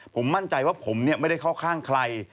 ผมมั่นใจว่าผมไม่ได้เข้าข้างใคร